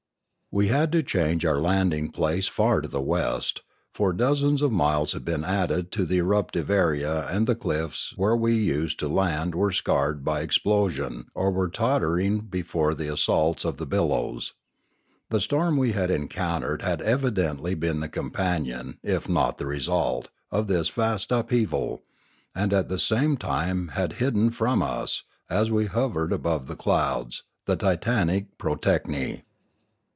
We had to change our landing place far to the west; for dozens of miles had been added to the eruptive area and the cliffs where we used to land were scarred by The Last Flight 699 explosion or were tottering before the assaults of the billows. The storm that we had encountered had evi dently been the companion, if not the result, of this vast upheaval and at the same time had hidden from us, as we hovered above the clouds, the titanic pyro techny.